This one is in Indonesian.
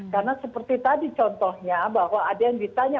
karena seperti tadi contohnya bahwa ada yang ditanya